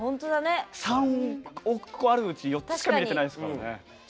３億個あるうち、４つしか見れてないです。